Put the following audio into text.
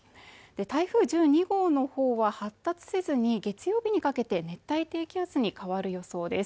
台風１２号の方は発達せずに月曜日にかけて熱帯低気圧に変わる予想です